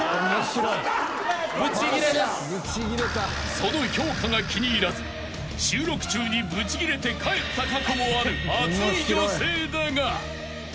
［その評価が気に入らず収録中にぶちぎれて帰った過去もある熱い女性だが］